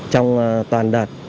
trong toàn đợt